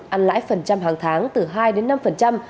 ăn lãi phần trăm hàng tháng từ hai đến năm phần trăm